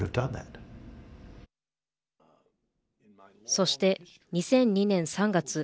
そして、２００２年３月